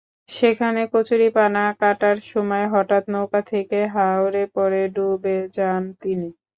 সেখানে কচুরিপানা কাটার সময় হঠাৎ নৌকা থেকে হাওরে পড়ে ডুবে যান তিনি।